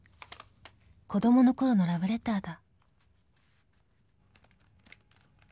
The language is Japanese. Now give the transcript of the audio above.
［子供のころのラブレターだ］